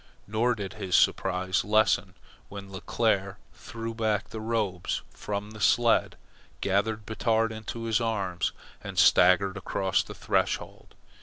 Nor did his surprise lessen when Leclere threw back the robes from the sled, gathered Batard into his arms and staggered across the threshold.